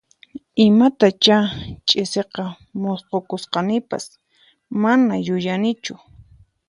Imatachá ch'isiqa musqhukusqanipas, mana yuyanichu